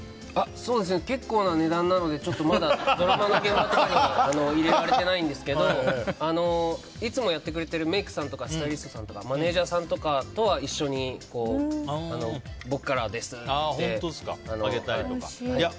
結構な値段なので、まだドラマの現場とかには入れられていないんですけどいつもやってくれてるメイクさんやスタイリストさんやマネジャーさんとかとは一緒に僕からですってあげたりとか。